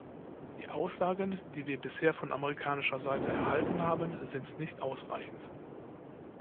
Die Aussagen, die wir bisher von amerikanischer Seite erhalten haben, sind nicht ausreichend.